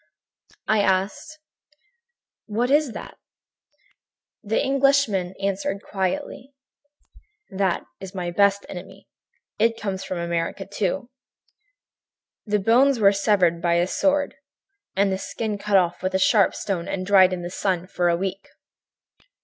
"I asked: "'What is that?' "The Englishman answered quietly: "'That is my best enemy. It comes from America, too. The bones were severed by a sword and the skin cut off with a sharp stone and dried in the sun for a week.'